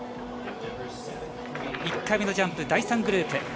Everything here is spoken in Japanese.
１回目のジャンプ、第３グループ。